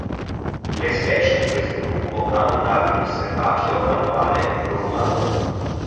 Le specie di questo gruppo hanno un habitus erbaceo annuale e profumato.